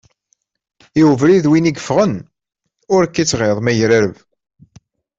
I ubrid win i yeffɣen, ur k-ittɣiḍ ma yegrareb.